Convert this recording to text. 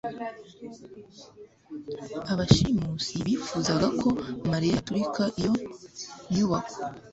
Abashimusi bifuzaga ko mariya yaturika iyo nyubako